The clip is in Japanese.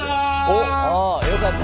おっ。